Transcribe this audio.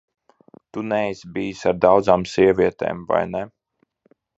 Tu neesi bijis ar daudzām sievietēm, vai ne?